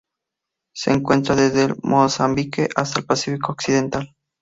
Se encuentra desde Mozambique hasta el Pacífico occidental.